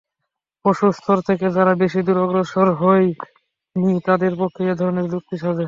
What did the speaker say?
পশুর স্তর থেকে যারা বেশী দূর অগ্রসর হয়নি, তাদের পক্ষেই এ-ধরনের যুক্তি সাজে।